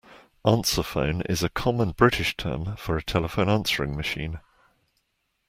Answerphone is a common British term for a telephone answering machine